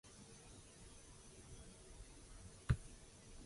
Ryan Flinn is known as an enforcer.